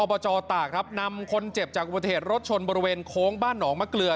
บจตากครับนำคนเจ็บจากอุบัติเหตุรถชนบริเวณโค้งบ้านหนองมะเกลือ